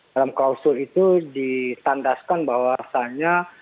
dalam kausul itu ditandaskan bahwasanya